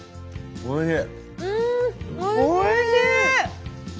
おいしい。